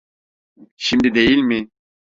Şimdi değil mi?